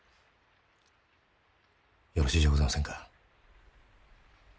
よろしいじゃございませんか。